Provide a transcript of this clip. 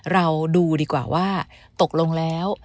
เราดูดีกว่าว่าตกลงแล้ว